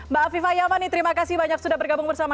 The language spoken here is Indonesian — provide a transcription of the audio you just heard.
mbak afifah yamani terima kasih banyak sudah bergabung bersama